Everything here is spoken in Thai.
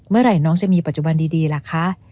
เมื่อไหร่น้องจะมีปัจจุบันดีล่ะคะ